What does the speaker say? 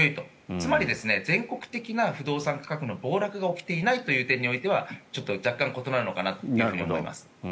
つまり全国的な不動産価格の暴落が起きていない点においてはちょっと若干異なるのかなと思います。